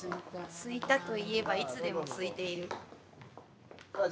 すいたといえばいつでもすいている。